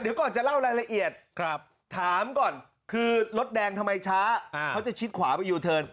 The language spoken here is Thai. เดี๋ยวก่อนจะเล่ารายละเอียดถามก่อนคือรถแดงทำไมช้าเขาจะชิดขวาไปยูเทิร์น